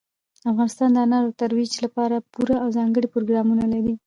افغانستان د انارو د ترویج لپاره پوره او ځانګړي پروګرامونه لري.